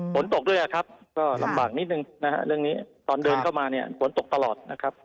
ฝนตกด้วยครับก็ลำบากนิดนึงตอนเดินเข้ามาฝนตกตลอด